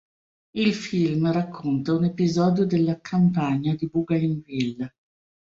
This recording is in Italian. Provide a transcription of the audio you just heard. Il film racconta un episodio della Campagna di Bougainville.